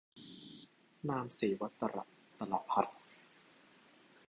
นามเสวตร-ตะละภัฏ